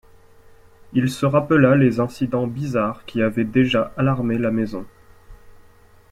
Il se rappela les incidents bizarres qui avaient déjà alarmé la maison.